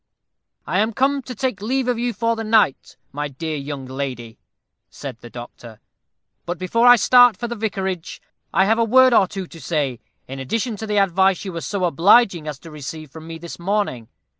"I am come to take leave of you for the night, my dear young lady," said the doctor; "but before I start for the Vicarage, I have a word or two to say, in addition to the advice you were so obliging as to receive from me this morning.